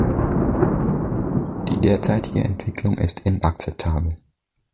Die derzeitige Entwicklung ist inakzeptabel.